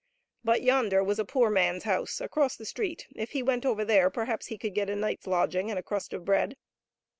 But yonder was a poor mans house across the street, if he went over there perhaps he could get a night's lodging and a crust of bread.